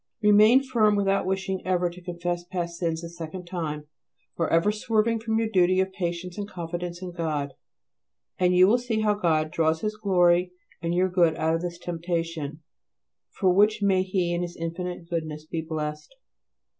Remain firm without wishing ever to confess past sins a second time, or ever swerving from your duty of patience and confidence in God: and you will see how God draws His glory and your good out of this temptation, for which may He in His infinite goodness be blessed.